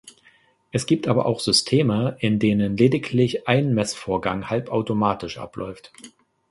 Es gibt aber auch Systeme, in denen lediglich ein Messvorgang halbautomatisch abläuft.